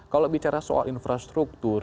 kalau bicara soal infrastruktur